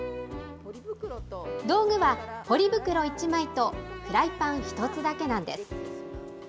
道具はポリ袋１枚とフライパン１つだけなんです。